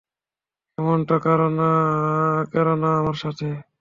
এমনটা কোরো না আমার সাথে।